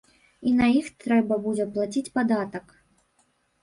І на іх трэба будзе плаціць падатак.